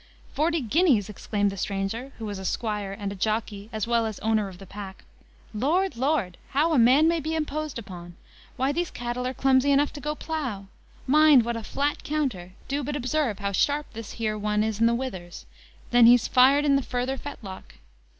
"Forty guineas!" exclaimed the stranger, who was a squire and a jockey, as well as owner of the pack, "Lord! Lord! how a man may be imposed upon! Why, these cattle are clumsy enough to go to plough; mind what a flat counter; do but observe how sharp this here one is in the withers; then he's fired in the further fetlock."